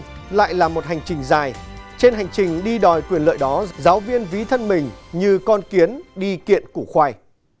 nhưng lại là một hành trình dài trên hành trình đi đòi quyền lợi đó giáo viên ví thân mình như con kiến đi kiện củ khoai